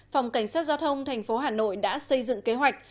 phòng cảnh sát giao thông thành phố hà nội đã xây dựng kế hoạch